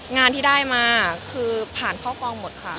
งานที่ได้มาคือผ่านเข้ากองหมดค่ะ